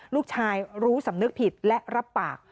ลูกชายรู้สำนึกผิดและรับปาก